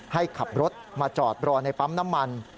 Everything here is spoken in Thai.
ให้ขับรถมาจอดรอในปั๊มน้ำมัน